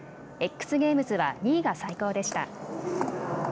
Ｘゲームズは２位が最高でした。